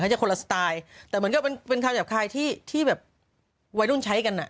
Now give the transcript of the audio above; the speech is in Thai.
เขาจะคนละสไตล์แต่มันก็เป็นค่าแจบคลายที่เวยรุ่นใช้กันน่ะ